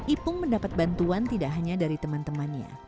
ipung mendapat bantuan tidak hanya dari teman temannya